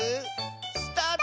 スタート！